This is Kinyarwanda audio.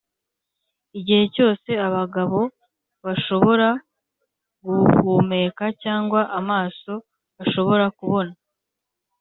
igihe cyose abagabo bashobora guhumeka cyangwa amaso ashobora kubona,